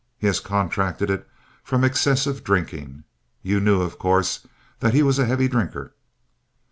He has contracted it from excessive drinking. You knew, of course, that he was a heavy drinker?